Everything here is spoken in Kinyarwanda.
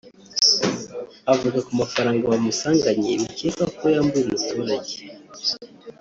Avuga ku mafaranga bamusanganye bikekwa ko yambuye umuturage